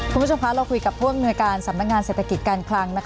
คุณผู้ชมคะเราคุยกับผู้อำนวยการสำนักงานเศรษฐกิจการคลัง